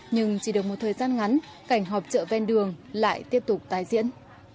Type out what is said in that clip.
nhưng chỉ được một thời gian ngắn cảnh họp chợ ven đường lại tiếp tục tái diễn